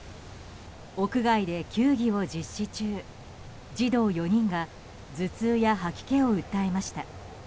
屋外で球技を実施中、児童４人が頭痛や吐き気を訴えました。